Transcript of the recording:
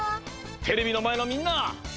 テレビのまえのみんな！